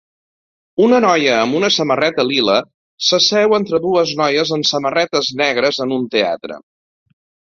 Una noia amb una samarreta lila s'asseu entre dues noies amb samarretes negres en un teatre.